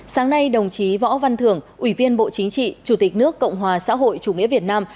sáng nay đồng chí võ văn thưởng ủy viên bộ chính trị chủ tịch nước cộng hòa xã hội chủ nghĩa việt nam